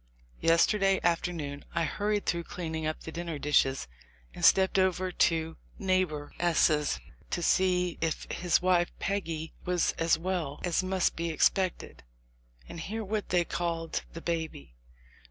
Yesterday afternoon I hurried through cleaning up the dinner dishes and stepped over to neighbor S .... to see if his wife Peggy was as well as mout be expected, and hear what they called the baby.